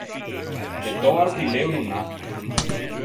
De tòrti lê o no n’à.